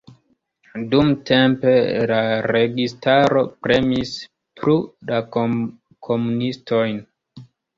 Dumtempe la registaro premis plu la komunistojn.